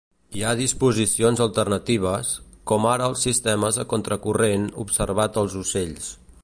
Hi ha disposicions alternatives, com ara els sistemes a contracorrent observats als ocells.